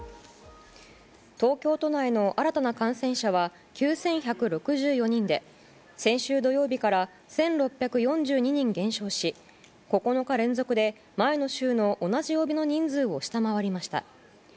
東京都内の新たな感染者は９１６４人で先週土曜日から１６４２人減少し９日連続で前の週の同じ曜日の人数を下回りました。